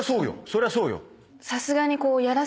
そりゃそうよ。